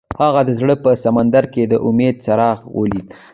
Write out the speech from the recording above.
هغه د زړه په سمندر کې د امید څراغ ولید.